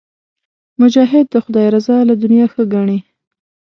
مجاهد د خدای رضا له دنیا ښه ګڼي.